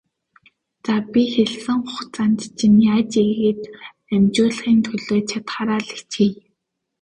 За, би хэлсэн хугацаанд чинь яаж ийгээд л амжуулахын төлөө чадахаараа л хичээе.